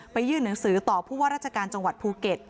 ยื่นหนังสือต่อผู้ว่าราชการจังหวัดภูเก็ต